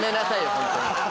本当に！